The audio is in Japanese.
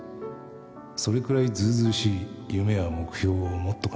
それくらいずうずうしい夢や目標を持っとかねえとな。